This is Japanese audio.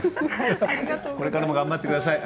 これからも頑張ってください。